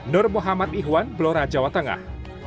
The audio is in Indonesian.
nur muhammad ihwan blora jawa tengah